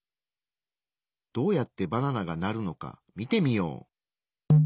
どうやってバナナがなるのか見てみよう。